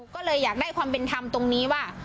ก็เลยแหละความเป็นทำตรงนี้ว่า